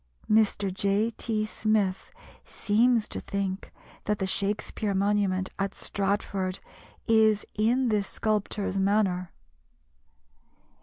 Mr. J. T. Smith seems to think that the Shakspere monument at Stratford is in this sculptor's manner.